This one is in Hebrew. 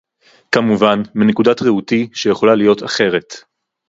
כמובן, מנקודת ראותי, שיכולה להיות אחרת